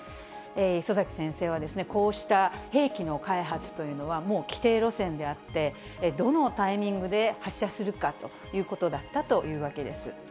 礒崎先生は、こうした兵器の開発というのは、もう既定路線であって、どのタイミングで発射するかということだったというわけです。